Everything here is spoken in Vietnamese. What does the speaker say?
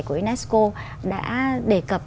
của unesco đã đề cập